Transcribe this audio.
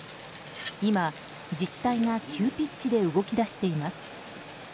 今、自治体が急ピッチで動き出しています。